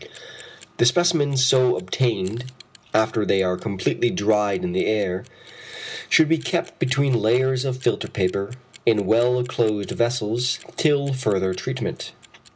The specimens so obtained, after they are completely dried in the air, should be kept between layers of filter paper in well closed vessels till further treatment.